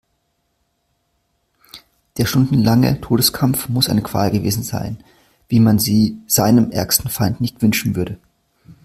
Der stundenlange Todeskampf muss eine Qual gewesen sein, wie man sie seinem ärgsten Feind nicht wünschen würde.